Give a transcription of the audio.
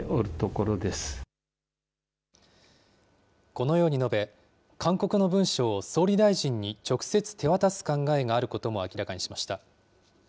このように述べ、勧告の文書を総理大臣に直接手渡す考えがあることも明らかにしました。